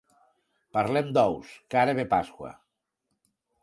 Parlem d'ous, que ara ve Pasqua.